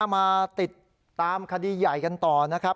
มาติดตามคดีใหญ่กันต่อนะครับ